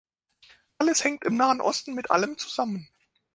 Alles hängt im Nahen Osten mit allem zusammen.